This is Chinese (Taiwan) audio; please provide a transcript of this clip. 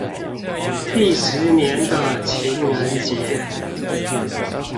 第十年的情人節